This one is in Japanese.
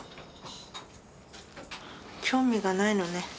興味がないのね。